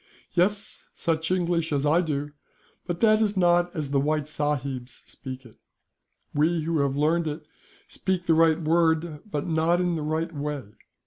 "Yes, such English as I do; but that is not as the white sahibs speak it. We who have learned it speak the right word, but not in the right way.